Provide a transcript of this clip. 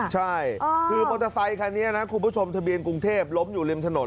ใช่คือมอเตอร์ไซคันนี้นะคุณผู้ชมทะเบียนกรุงเทพล้มอยู่ริมถนน